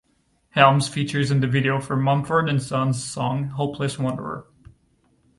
Helms features in the video for Mumford and Sons' song "Hopeless Wanderer".